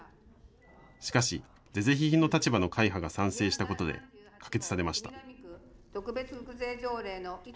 しかし是々非々の立場の会派が賛成したことで可決されました。